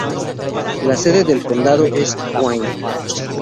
La sede de condado es Wynne.